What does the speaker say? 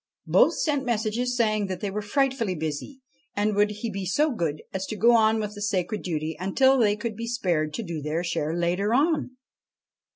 Both sent messages saying that they were frightfully busy, and would he be so good as to go on with the sacred duty until they could be spared to do their share later on.